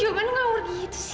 wah ya mana ngamur gitu sih